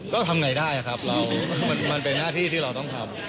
ก็ทำไงได้ครับมันเป็นหน้าที่ที่เราต้องทำ